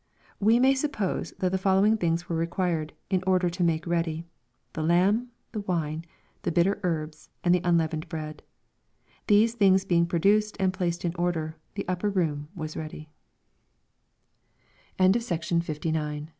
] We may suppose that the fol lowing things were required, in order to make ready, — the lamb, the wine, the the bitter herts and the unleavened bread. These tilings being procured and placed in order, the upper room wai ready. LUKE, CHAP.